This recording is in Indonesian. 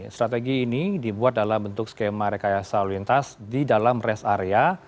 strategi ini dibuat dalam bentuk skema rekayasa lalu lintas di dalam rest area